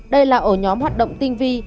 đây là ổ nhóm hoạt động tinh vi